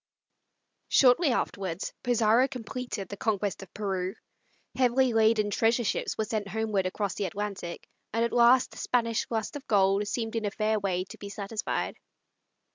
Shortly afterwards, Pizarro completed the conquest of Peru. Heavily laden treasure ships were sent homeward across the Atlantic, and at last the Spanish lust of gold seemed in a fair way to be satisfied.